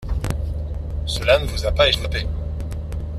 Cela ne vous a pas échappé.